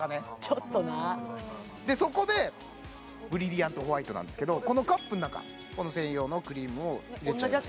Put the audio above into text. ちょっとなそこでブリリアントホワイトなんですけどこのカップの中この専用のクリームを入れちゃいます